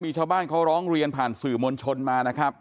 มีชาวบ้านเขาร้องเรียนผ่านสื่อมวลชนมานะครับ